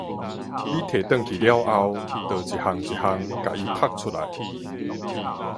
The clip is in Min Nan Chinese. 你提轉去了後，就一項一項共伊讀出來